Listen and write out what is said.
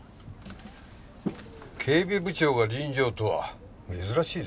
警備部長が臨場とは珍しいですね。